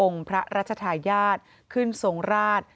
องค์พระราชธาญาติขึ้นทรงราช